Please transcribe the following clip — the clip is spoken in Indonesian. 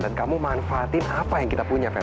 dan kamu manfaatin apa yang kita punya per